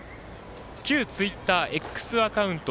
旧ツイッターのＸアカウント